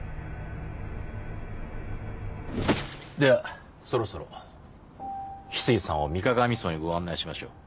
ではそろそろ翡翠さんを水鏡荘にご案内しましょう。